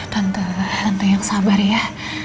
tante hantu yang sabar ya